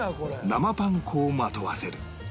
生パン粉をまとわせる